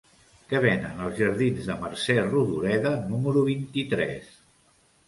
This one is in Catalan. Què venen als jardins de Mercè Rodoreda número vint-i-tres?